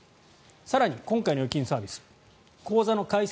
更に、今回の預金サービス口座の開設